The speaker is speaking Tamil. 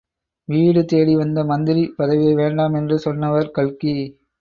வீடு தேடிவந்த மந்திரி பதவியை வேண்டாம் என்று சொன்னவர் கல்கி.